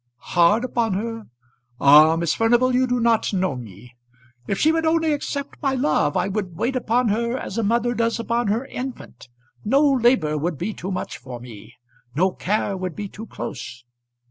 "Hard upon her! Ah, Miss Furnival, you do not know me. If she would only accept my love I would wait upon her as a mother does upon her infant. No labour would be too much for me; no care would be too close.